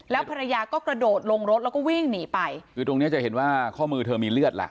ภรรยาก็กระโดดลงรถแล้วก็วิ่งหนีไปคือตรงเนี้ยจะเห็นว่าข้อมือเธอมีเลือดล่ะ